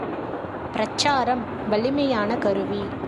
பிரச்சாரம் வலிமையான கருவி.